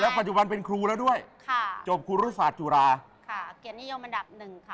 ปัจจุบันเป็นครูแล้วด้วยค่ะจบครูรุศาสตุราค่ะเกียรตินิยมอันดับหนึ่งค่ะ